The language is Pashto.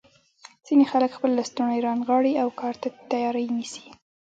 ځینې خلک خپل لستوڼي رانغاړي او کار ته تیاری نیسي.